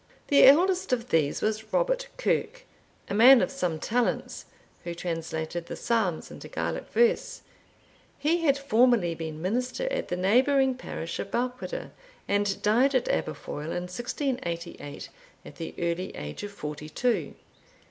The eldest of these was Robert Kirke, a man of some talents, who translated the Psalms into Gaelic verse. He had formerly been minister at the neighbouring parish of Balquhidder, and died at Aberfoil in 1688, at the early age of forty two.